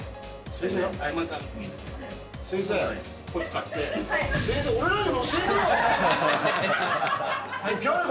先生、俺らにも教えてよ。